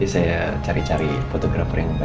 saya cari cari fotografer yang baik